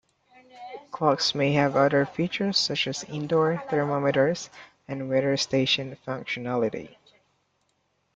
Clocks may have other features such as indoor thermometers and weather station functionality.